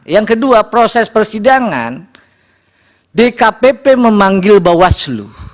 yang kedua proses persidangan dkpp memanggil bawaslu